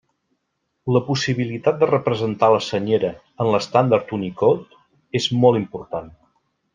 La possibilitat de representar la Senyera en l'estàndard Unicode és molt important.